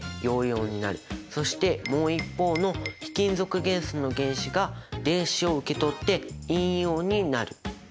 そしてもう一方の非金属元素の原子が電子を受け取って「陰イオン」になる。